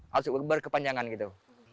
harus berkepanjangan gitu